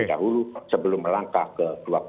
lebih dahulu sebelum melangkah ke dua ribu dua puluh empat